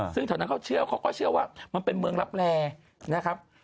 ซึ่งแถวนั้นเขาเชื่อเขาก็เชื่อว่ามันเป็นเมืองรับแรนะครับ